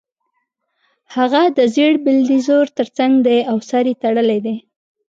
هغه د زېړ بلډیزور ترڅنګ دی او سر یې تړلی دی